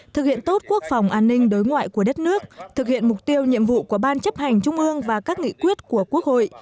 thực hiện tốt quốc phòng an ninh đối ngoại của đất nước thực hiện mục tiêu nhiệm vụ của ban chấp hành trung ương và các nghị quyết của quốc hội